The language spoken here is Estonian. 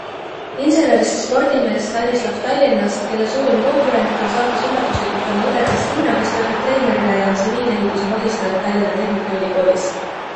Insenerist spordimees Stanislav Tallinnast, kelle suurim konkurent on saates üllatuslikult tema õde Kristiina, kes töötab treenerina ja on tsiviilehituse magistrant Tallinna Tehnikaülikoolis.